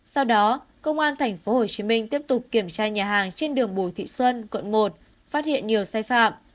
sau đó công an tp hcm tiếp tục kiểm tra nhà hàng trên đường bùi thị xuân quận một phát hiện nhiều sai phạm